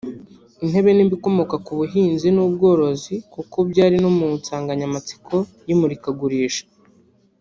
intebe n’ibikomoka ku buhinzi n’ubworozi kuko byari no mu nsganganyamatsiko y’imurikagurisha